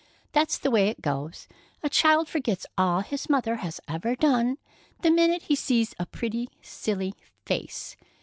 "That's the way it goes. A child forgets all his mother has ever done, the minute he sees a pretty, silly face."